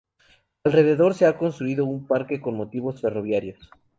Alrededor se ha construido un parque con motivos ferroviarios.